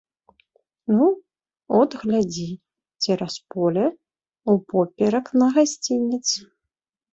Ну, от глядзі цераз поле, упоперак на гасцінец.